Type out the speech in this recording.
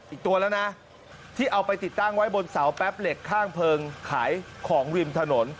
อีกตัวแล้วนะที่เอาไปติดตั้งไว้บนเสาแป๊บเหล็กข้างเพลิงขายของริมถนน